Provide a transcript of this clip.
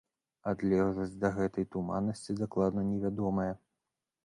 Адлегласць да гэтай туманнасці дакладна не вядомая.